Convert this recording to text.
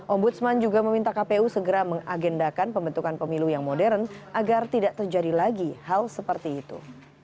ombudsman juga meminta kpu segera mengagendakan pembentukan pemilu yang modern agar tidak terjadi lagi hal seperti itu